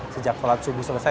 sejak sholat subuh selesai